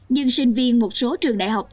nhưng sinh viên y tế đã đưa cơm cho bệnh nhân y tế